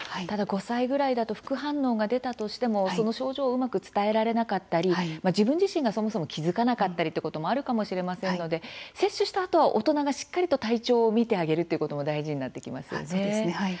ただ５歳ぐらいだと副反応が出たとしてもその症状をうまく伝えられなかったり自分自身がそもそも気付かなかったりということもあるかもしれませんので接種したあとは大人がしっかりと体調を見てあげるということも大事になってきますよね。